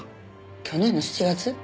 去年の７月？